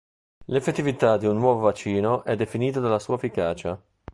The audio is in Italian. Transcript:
L'effettività di un nuovo vaccino è definita dalla sua efficacia.